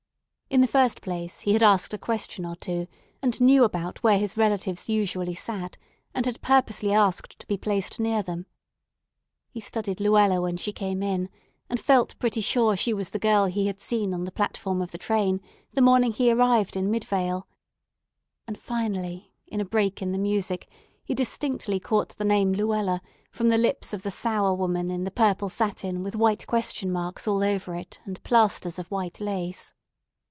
In the first place, he had asked a question or two, and knew about where his relatives usually sat, and had purposely asked to be placed near them. He studied Luella when she came in, and felt pretty sure she was the girl he had seen on the platform of the train the morning he arrived in Midvale; and finally in a break in the music he distinctly caught the name "Luella" from the lips of the sour woman in the purple satin with white question marks all over it and plasters of white lace.